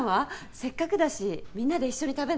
せっかくだしみんなで一緒に食べない？